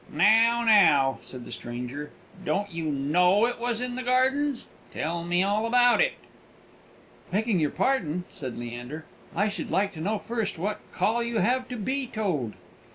"Now, now," said the stranger, "don't you know it was in the gardens? Tell me all about it." "Begging your pardon," said Leander, "I should like to know first what call you have to be told."